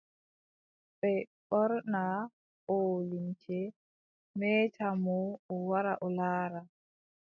Ɓe ɓorna oo limce, meeta mo, o wara o laara.